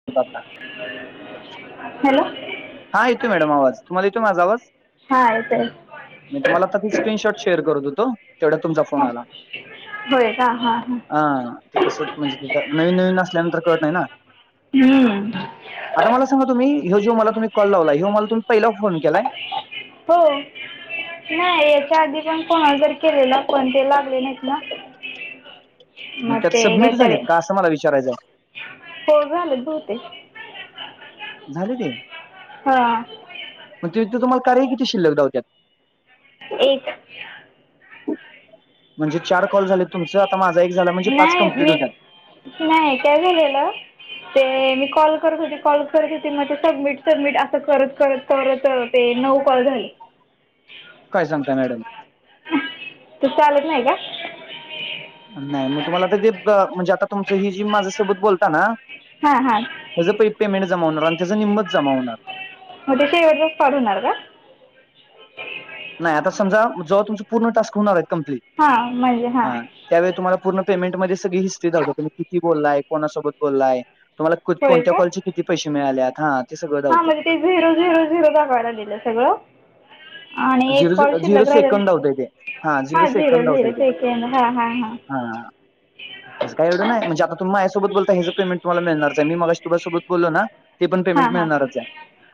[inaudible] Hello हा येतोय madam आवाज. तुम्हाला येतोय माझा आवाज? हा येतंय. मी तुम्हाला आता तर ती स्क्रीनशॉट शेअर करत होतो तेवढ्यात तुमचा फोन हां आला. होय का हा हा. हा. ते कसं म्हणजे कुठं नवीन नवीन असल्यानंतर कळत नाही ना. हम्म. आता मला सांग तुम्ही ह्यो जो मला तुम्ही कॉल लावलाय, ह्यो मला तुम्ही पहिला फोन केलाय? हो. नाही याच्या आधी पण कोणाला तरी केलेला, पण ते लागले नाहीत ना. मग त्यात ते सबमिट काहीतरी झालेत का असं मला विचारायचं आहे. हो झालेत बहुतेक. झाले ते? हां मग तिथं तुम्हाला कार्य किती शिल्लक दावत्यात? एक. म्हणजे चार कॉल झाले तुमचं, आता माझा एक झाला म्हणजे पाच नाही कम्प्लीट मी होत्यात. नाही काय झालेलं ते मी कॉल करत होते, कॉल करत होती म ते सबमिट सबमिट असं करत करत परत ते नऊ कॉल झाले. काय सांगताय मॅडम ते चालत नाही का? नाही मग तुम्हाला ते म्हणजे आता तुमच ही जी माझ्या सोबत बोलता ना? हा. हा. ह्याच प पेमेंट जमा होणार आणि त्याचं निम्मंच जमा होणार. मग त्याचे एवढंच पाडवणार का. नाही आता समजा जवा तुमचं पूर्ण टास्क होणार आहेत कम्प्लीट हां. माझे हां. त्यावेळी तुम्हाला पूर्ण पेमेंटमध्ये सगळी हिस्ट्री दावतो तुम्ही किती बोललाय? कोणासोबत बोललाय? तुम्हाला होय कोणत्या का कॉलचे किती पैसे मिळाल्यात हा ते सगळं हां दावतय. म्हणजे ते झिरो झिरो दाखवाय लागलेलं सगळं आणि एक झिरो कॉल झिरो शिल्लक राहीलेला सेकंद दावतय ते हा झिरो सेकंद दावतय झिरो ते सेकेंड हा हा हा. हा. त्याच काय एवढं नाही म्हणजे आता तुम्ही माझ्यासोबत बोलता हेच पेमंट तुम्हांला मिळणारच आहे मी मगाशी तुमच्या सोबत बोलो ना ते पण पेमेंट हां मिळणारच आहे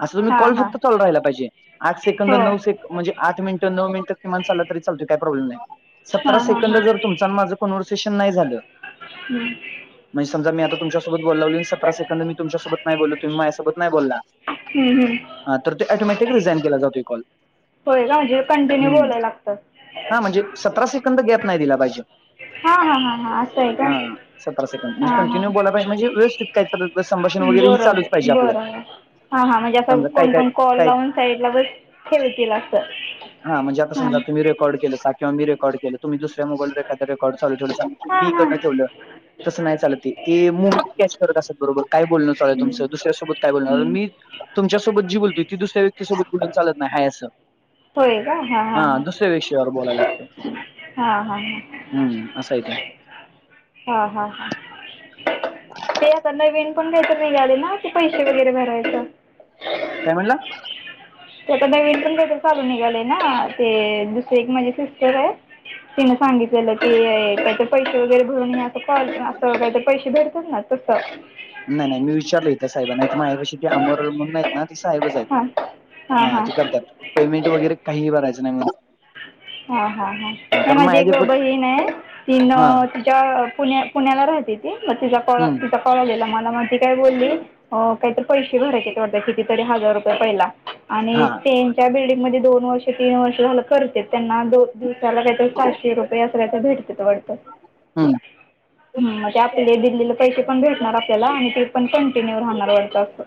अस हां तुम्ही हां कॉल हां फक्त चाल राहायला पाहिजे आठ सेकंद हो नऊ सेकंद म्हणजे आठ मिनट नऊ मिनटं किमान चालला तरी चालतोय काय प्रॉब्लेम नाही सतरा हां हां हां सेकंदड जर तुम तुमच माझं कॉन्व्हर्सेशन नाही झालं. हम्म. म्हणज समजा मी आताुमच्यासोबत बोलाय लागलो आणि सतरा सेकंद मी तुच्यासोबत नाही बोलो तुम्ही माझसोबत नाही बोलला हा तर ते ऑटोमॅटिक रिझाईन केला जातोय कॉल. होय का म्हणजे कंटिन्यू बोलायला लागतय. हा म्हणजे सतरा सेकंद गॅप नाही दिला पाहिजे. हां हां हां हां असं आहे का हा सतरा सेकंड म्हणजे हां हां कंटिन्यू बोला पाहिजे म्हणजे व्यवस्थित काय तर संभाषण वगैरे हे चालूच पाहिजे आपल्यात हा हा म्हणजे असं कोण कोण कॉल लावून साईडला बस खेळतील अस हा म्हणजे आता समजा तुम्ही रेकॉर्ड केलं साठ किंवा मीे रेकॉर्ड केलं तुम्ही दुसऱ्या मोबाईल एखाद रेकॉर्ड चालू ठेवलं किंवा हां मी हां इकडंन ठेवलं तस नाही चालत ते मु [unintelligible] कॅच करत असतात बरोबर काय बोलणं चालू तुमचं दुसऱ्यासोबत काय बोलणार मी तुमच्यासोबत जी बोलतो ती दुसऱ्या व्यक्तीसोबत बोलून चालत नाही आहे असं. होय का? हा हा हा. त्या विषयावर बोलाय लागत हा हा हा. हम्म अस आहे ते. हा हा हा. [inaudible] ते आता नवीन पण काहीतरी निघाले ना ते पैसे वगैरे भरायच. काय म्हणला? ते आता पण काय तर चालू निघालेय ना ते दुसरी एक माझी सिस्टर आहे तिन सांगितलेलं की त्याचे पैसे वगैरे भरून या हे कॉल अस का ते पैसे भेटतात ना तस. नाही नाही मी विचारलं इथं साहेबंना इथं माझ्यापशी ते अमरल म्हणून आहेत. ह ती साऐबच हां हायत हां हा हां ती करत्यात पेमेंट वगैरे काहीही भरायचं नाही म.. हा हा हा नाय माझी एक माझ्या ते बहीण हाय तीनअ हा अ अ पुण्यात पुण्याला राहते ती मग तिचा कॉल हम्म तिचा कॉल आलेला मला मग ती काय बोलली.. अ अ काही तर पैसे भरायचेत कितीतरी हजार रुपये पहिला आणि हा त्यांच्या बिल्डिंगमध्येध्ये दोन वर्ष तीन वर्ष झालंकरत्यात त्यांना दो दिवसाला काहीतरी.. पाचशे रुपये असं काहीतरी भेटत्यात वाटत. हम्म... हम्म म्हणजे आपले दिलेले पैसे पण भेटणार आपल्याला आणि ते पण कंटिन्यू राहणार वाटत अस.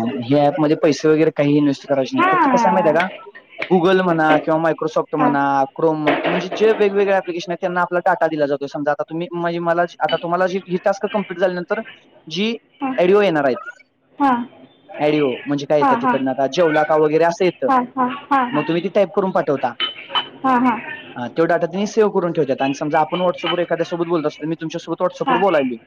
ग्यपमध्ये पैसे वगैरे काही इन्व्हेस्ट करायचे नाहीत फक्त कसंय माहिती आहे हां का? गुगल म्हणा किंवा मायक्रोसॉफ्ट हां म्हणा, क्रोम म्हण. म्हणजे वेगवेगळळे अप्लिकेशन आहेत त्यांना आपला डाटा दिला जातो समजा आता तुम्ही [unintelligible] आता तुमला जी एक. टास्क कंप्लीट झाल्यानंतर जी एडिओ येणार आहेत... हा.. ऐडिओ... म्हणजे काय येत? तिकडन आ जेवलाका वगैरे अस येत हां हां हां हां मग तुम्ही ते टाईप करून पाठवता. हां हां हा तो डाटा त्यानी सेव करून ठेवत्यात आणि समजा आपण व्हॉट्अपवर एखद्या सेबत बोलत असतोय मि.. तुच्यासोबत व्हॉ्सअँप वर हां बोलायली मी.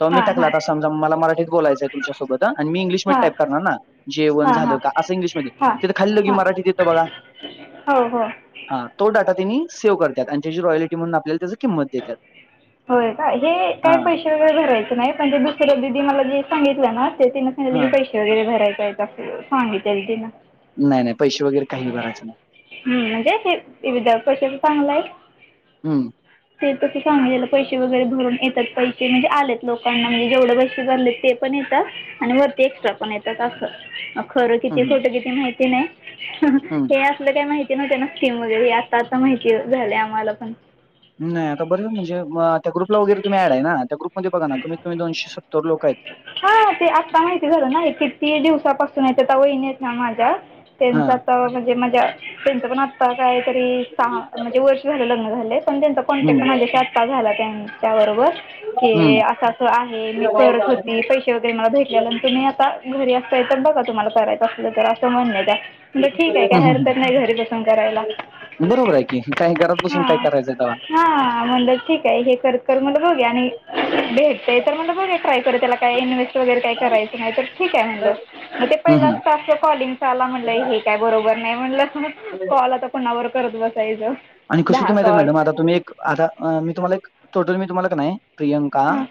त मी हां टकला हां आता समज मला मराठीत बोलायंय तुच्यासोबत अ आणि मी हां इंग्िशमध्ये टाप करणार ना जे वण हां झालं हां का असं हां इंग्लिशमध्येध्ये तिथ खाली लोघी हां मराठीत येतं बघा हो हो हा तो डा तिनी सेव्ह करत्यात आणि जची रॉयल्टी म्हणून आपल्याला त्याच होय काय हे हा काय पैसेवर भरायच नाही पहिल्या दुसऱ्या दिदी ने मला जे सांगितलं ना ते तिने हा पैसे. वगैरे भरायय का सांगित ना [unintelligible] नाय नाय पैसे वगैरे काहीही भरायचचे नाही हम म्हणजे, ते विदर् क्वेश्चन ते चांगला आय. हम्म ते तसं सांगलेल पैसे वगैरे भरून येतात पैसे म्हणजे आलेत लोकांना म्हणजे जेवढे पैसे भरलेत तेच. पण येतात आणि वरती एक्ट्रा पण येतात अस. खरं किती हम्म हम्म खोटं किती माहिती नाय हं हं हे हम्म असलं काय माहित. नाय त्यांना किमो देऊया आता आता माहिती झालंय आम्हाला पण. नाय आता बरंच म्हणजे त्या ग्रुपला वगैरे ऐड आहे ना त्या ग्रुपमध्ये बघा कमीत कमी दोनशे सत्तर लोक आहेत. हा ते आत्ता माहिती झालं ना किती दिवसापासून य वहिन आहेत त्या माझ्या. हा त्यांच आता म्हणजे माज्या त्यांच पण आत्ता काहीतरी सहा म्हणजे वर्ष झाल लग्नाला झालंय पण त्यांच हम्म कॉन्टॅक्ट माझ्याशी आता झालाय त्याच्या त्याबरोबर. ते हम्म असं असं आहे. मी करत होती. पैसे वगैरे मला भेटलेल्या नंतर मी आता.. घरी असता तर बघा तुम्हाला करायचं असलं तर असं म्हणल्यात त्या म्हणल ठीक आहे हम्म काय हम्म. हरकत नाही घरी बसून करायला. बरोबर आहे कि काय घरात बसून काय हां करायच तवा. हां म्हणलं ठीक आहे हे कर कर म्हणल बघूया आणि भेटतय तर म्हणल बघूया ट्राय करुया काही इन्व्स्ट वगैर काही करायचं नाही तर ठीक आहे म्हणलं. मग ते हं, पहिलाच हं. स्टाक कॉलिंग चा आला म्हटलं हे काय? बरोबर नाही म्हणलं हं हं कॉल आता कोणा बरोबर करत बसायच आणि कसं तुम्ही येत मॅडम आता तुम्ही एक आलात मी तुम्हा एक टोटल मी तुम्हाला काय नाय. प्रियांका हां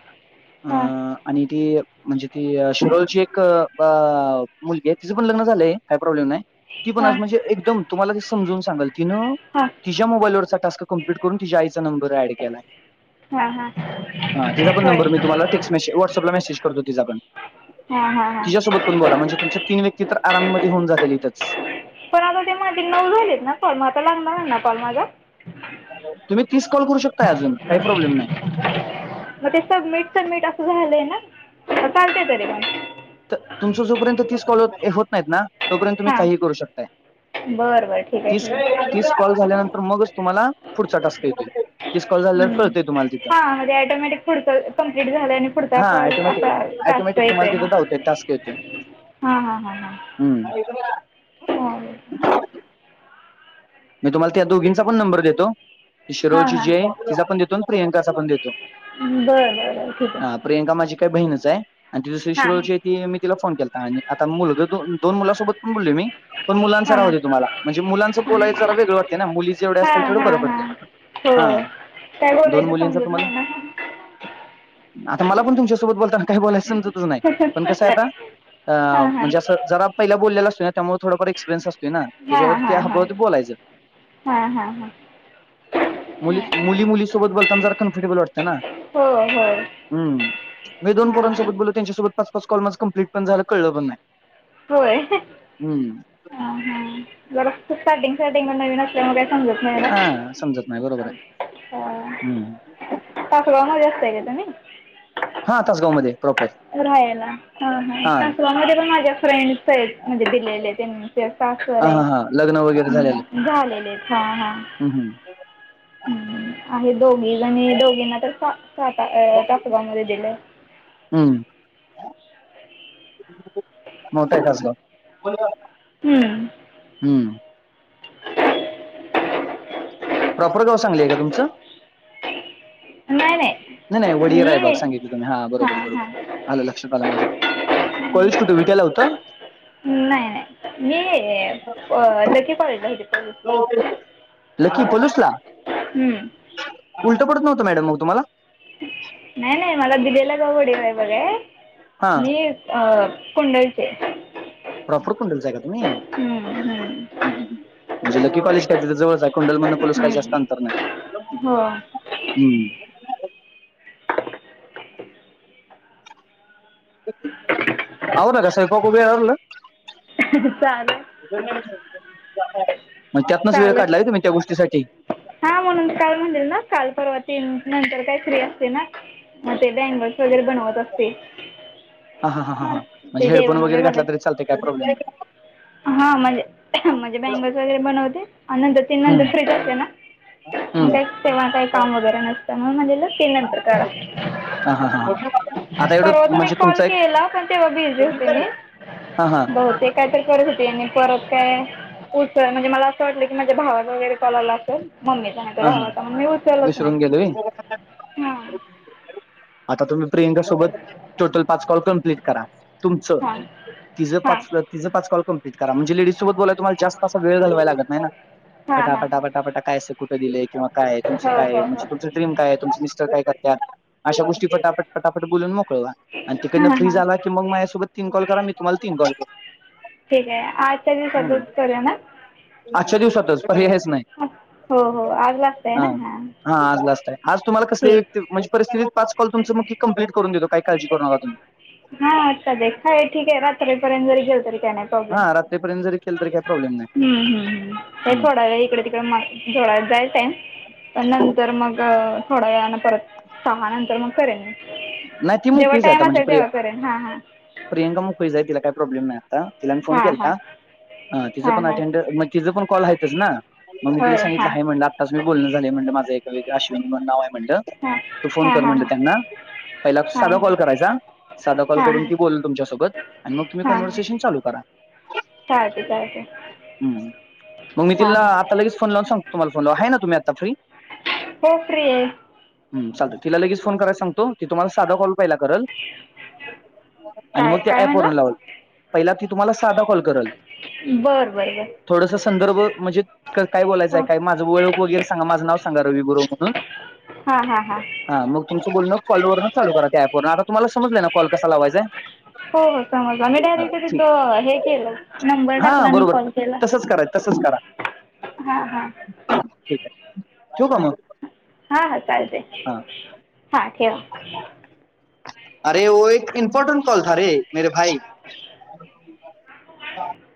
अ हां अआणि की म्हणजे ती शिरोलची एक मुलगी आहे तिचं पण लग्न झालंय काही प्रॉब्लेम नाही. ती पण हां अशी म्हणजे एकदम तुम्हाला ते समजून सांगाल ती ना. हा. त्याच्या मोबाईलवरचा टास्क कम्प्लीट करून तिजा आईचा नंबर ऍड केलाय. हा हा हां, तिचा पण होय. नंबर मी तुम्हाला टेक्स्ट मेसेज व्हाट्सअपला मेसेज करतो तिच्याकडनं हां हां हां तिच्यासोबत पण बोला म्हणजे तुमचे तीन वे ती तर आराममध्ये होऊन जातील इथंच. पण आता ते मध्ये नऊ झालेत ना कॉल म आता लागणार नाय ना कॉल माझा. तुम्ही तीस कॉल करू शकताय अजून काय प्रॉब्लेम नाही. म ते सबमिट सबमिट असं झालंय ना चालते तरी पण. तर तुमचं जोपर्यंत तीस कॉल होत हे होत नाहीत ना तोपर्यंत तुम्ही हां काही ही करू शकताय बरं बरं ठीक आहे तीस ठीक आहे तीस कॉल झाल्यानंतर मगच तुम्हाला पुढचा टास्क येतोय. तीस कॉल झाल्यावर हम्म कळतंय तुम्हाला तिथं हा म ते ऑटोमॅटिक पुढचा कम्प्लीट झाला आणि पुढ हा कॉल असा टास्क काय काय हा. ते टास्क येतोय हम्म. चालेल मी तुम्हाल त्या दोघींचा पण नंबर देतो. ती हां शिरोची हां जे तिजा पण देतो आन प्रियंकाचा पण देतो. बरं बरं ठीक आहे. हा प्रियंका माझी काही बहीणच आहे आणि ती दुसरी हां हां शिरोलची आहे ती मी तिला फोन केलाता आणि आता मुलगा दो दोन मुलांसोबत पण बोलले मी पण मुलांचा हां राहू हां द्या तुम्हाला म्हणजे मुलांचा बोलायचं जरा वेगळं वाटते ना मुली जेवढे असल तेवढं हां बरं हां पडते हो हा. काय दोन बोलायचं मुलींचा समजत तुम्हाला नाही ना. आता मला पण तुमच्यासोबत बोलताना काही बोलायच समजतच नाही पण कसं आता अ हां हां म्हणजें जरा पहिला बोलले असतो ना त्यामुळे थोडाफार एक्सपिरियन्स असतोय ना त्याज्यावर हां हां त्या हप बते बोलायच हां हां हां हां मुलीस मुली सोबत बोलता ना जरा कम्फर्टेबल वाटततं ना. हो हो हम्म मी दोन हां पोरांसोबत बोललो त्यांच्यासोबत पाच पाच कॉल माझा कमप्लीट पण झालं कळलं पण नाय. होय हा हा जरासा स्टार्टिंग स्टार्टिंग म नवीन असल्यामुळे काय समजत नाही ना हा समजत नाही बरोबर आहे हा. हम्म पाकलं म जास्त आहे गं त्यानी. हा तस गाव मध्ये प्रॉपर. राहायला हा हा तसलाव मध्ये पण माझ्या फ्रेंड स आहेत म्हणजे दिलेले त्यांनी त्या टास्क वर हा आहे हा हा लग्न वगैरे झालेलं हम्म झालेले. हा हा. हम्म हम्म. हम्म आहे दोघी जणी दोघींना तर सा साता तासगाव मध्ये दिलय. हम्म. बहुतेक असं. हम्म. हम्म. प्रॉपर गाव सांगलीय आहे का तुमचं? नाय नाय. नाही नाही वडीर आहे बाग सांगितलं तुम्ही हा बरोबर बरोबर हां आलं लक्षात आलं माझ्या. कॉलेज कुठे विटयला होता. नाही, नाही मी प लखी कॉलेजला होते. हो तेच आहे लकी पोलीसला पोलीसला उलट पडत नव्हतं मॅडम मग तुम्हाला? नाय, नाय मला दिलेला गवडीवाय बघाय हा अ, कुंडलचे प्रॉपर कुंडलच हाय का तुम्ही? हम्म हम्म म्हणजे लकी कॉलेज काय तिथं जवळच हाय, कुंडलमधन, पलूस काय हम्म जास्त अंतर नाय हो हम्म आवरलं का, स्वयंपाक वगैरे आवरलं? चालू आहे म त्यातनच वेळ काढलाय व्हय, तुम्ही त्या गोष्टीसाठी हा, म्हणून काल म्हणलेल ना, काल परवा तीननंतर काय फ्री असते ना? म ते बँगल्स वगैरे बनवत असते हा, हा, हा, हां हा, म्हजे ते हेडफोन जेवण वगैरे घातला तरी चालते, काय प्रॉब्लेम नाही हा म्हणजे, म्हणजे बँगल्स वगैरे बनवते, आन नंतर तीन नंतर हम्म फ्रीच असते ना? मग हम्म काय तेंव्हा, काही काम वगैरे हाय, त्यामुळं म्हणलेलं ते नंतर करा हा हा हा हा. आता एवढं परवा तुम्ही म्हणजे कॉल तुमचा एक केला, पण तेव्हा बिझी होते मी हा हा बहुतेक, काहीतरी करत होत त्यांनी परत काय उचलानाभी, मला असं वाटलं की माझ्या भावाचं वगैरे कॉल आला असंल, मम्मी त्यांनतर हा हा भावाचा, मग मी उचलाच नाही, विसरून गेलोय हा आता तुम्ही प्रियंका सोबत, टोटल पाच कॉल कम्पलीट करा. तुमचं, हां तिज हां पाच, तिज पाच कॉल कम्प्लीट करा, म्हणजे लेडीज सोबत बोलायला, तुम्हाला जास्त असा वेळ घालवायला लागत नाही ना, हां हां पटापटा, हां पटापटा काय असल कुठं दिले, किंवा काय, तुमचं हो काय, हो हो म्हणजे तुमचं ड्रीम काय आहे, तुमचं मिस्टर काय करत्यात? अशा गोष्टी पटापट, पटापट बोलून मोकळ व्हा, आन तिकडनं हां फ्री हां झाला की मग, माझ्यासोबत तीन कॉल करा, मी तुम्हाला तीन कॉल कर ठीक हाय, आजच्या दिवसातच करूया ना? आजच्या दिवसातच, पर्यायच नाही हो, हो आज लास्ट हाय ना, हा हा, आज लास्ट हाय, आज तुम्हाला कसली व्यक् म्हणजे परिस्थितीत, पाच कॉल तुमचं मकी कम्प्लीट करून देतो, काय काळजी करू नका तुम्ही. हा चालेल, हाय ठीक आहे, रात्रीपर्यंत जरी केल तरी काय नाय कम्पलेट, हा रात्रीपर्यंत जरी केलं तरी काही प्रॉब्लेम हंम, हंम, हं, काय नाही थोडा वेळ इकडं, तिकडं [unintelligible] थोडाच हाय टाइम, पण नंतर मग, थोड्यावेळान परत सहा नंत मग करेन, नाही ती जेंव्हा मोकळीच आहे टाइम आता म्हणजे असेल प्रिया. तेंव्हा करेन, हा, हा प्रियंका मोकळीच हाय, तिला काय प्रॉब्लेम नाय आता तिला मी फोन हां केलता, हां हा तिचं हां पण हां अटेंड, म तिज पण कॉल आहेतच ना? मग मी तिला होय सांगितलं, हां हाय म्हटलं, आताच मी बोलणं झालंय, म्हणलं माझं, एका व्य आश्विनी म्हणून नाव आहे म्हटलं हां तू फोन हां कर हां म्हटलं हां त्यांना, पहिला हां साधा हां कॉल करायचा साध कॉल हां हां करून ती बोलल तुमच्यासोबत, आन म तुम्ही कनव्हरसेशन चालू करा. चालतय, चालतय हम, मग मी तिला, आता लगेच फोन लावून सांगतो, तुम्हाला फोन लावाय, आहे ना तुम्ही आता फ्री? हो, फ्री आहे हम, चालतं, तिला लगेच फोन करायला सांगतो, ती तुम्हाला साधा कॉल पहिला करल आणि मग काय त्या काय ऍप म्हणला वरून लावल, पहिला ती तुम्हाला साधा कॉल करल. बरं बरं बरं. थोडासा संदर्भ म्हणजे क काय बोलायचंय हो काय मा माझा ओळख वगैरे सांगा माझा नाव सांगा रवि बरो म्हणून. हा हा हा हा. हां मग तुमचं बोलणं कॉलवरनं चालू करा त्या ऐप वरनं आता तुमला समजलंय ना कॉल कसा लावायचाय? हो हो समजला मी डायरेक्ट ठीक तिथं हे केलं नंबर टाकला आणि कॉल केला. तसच कराय तसंच करा. हा हा. ठीक आहे ठेवू का मग? हा हा चालते हा हा ठेवा. [unintelligible] [unintelligible]